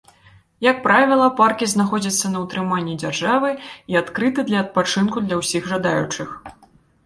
Як правіла, паркі знаходзяцца на ўтрыманні дзяржавы і адкрыты для адпачынку для ўсіх жадаючых.